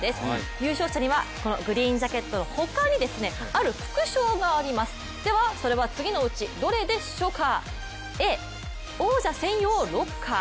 優勝者にはこのグリーンジャケットの他にある副賞があります、ではそれは次のうちどれでしょうか。